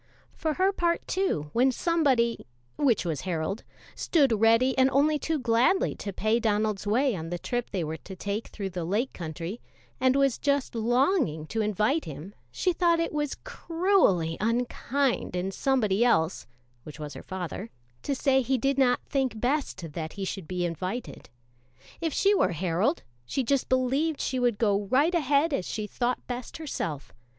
For her part, too, when somebody (which was Harold) stood ready only too gladly to pay Donald's way on the trip they were to take through the Lake Country, and was just longing to invite him, she thought it was cruelly unkind in somebody else (which was her father) to say he did not think best that he should be invited. If she were Harold, she just believed she would go right ahead as she thought best herself.